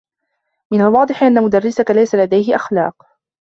من الواضح أنّ مدرّسك ليس لديه أخلاق.